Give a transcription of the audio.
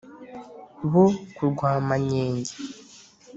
bo ku rwamanyege